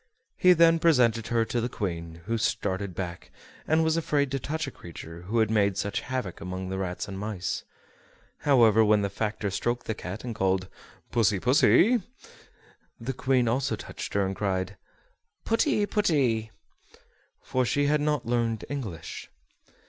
He then presented her to the Queen, who started back, and was afraid to touch a creature who had made such havoc among the rats and mice; however, when the factor stroked the cat and called "Pussy, pussy!" the Queen also touched her and cried "Putty, putty!" for she had not learned English.